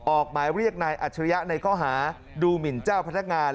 ออกหมายเรียกนายอัจฉริยะในข้อหาดูหมินเจ้าพนักงาน